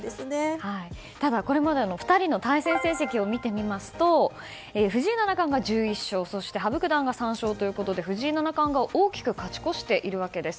これまで２人の対戦成績を見てみますと藤井七冠が１１勝そして羽生九段が３勝で藤井七冠が大きく勝ち越しています。